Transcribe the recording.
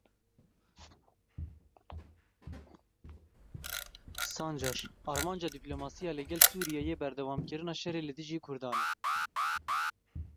Sancar Armanca dîplomasiya li gel Sûriyeyê berdewamkirina şerê li dijî Kurdan e.